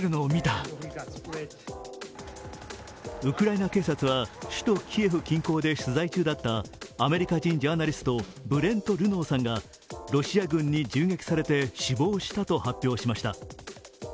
ウクライナ警察は首都キエフ近郊で取材中だったアメリカ人ジャーナリストブレント・ルノーさんがロシア軍に銃撃されて死亡したと発表しました。